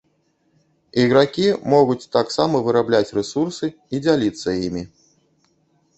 Ігракі могуць таксама вырабляць рэсурсы і дзяліцца імі.